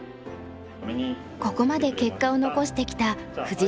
ここまで結果を残してきた藤澤流の指導法。